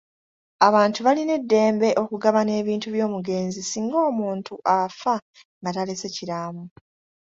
Abantu balina eddembe okugabana ebintu by'omugenzi singa omuntu afa nga talese kiraamo.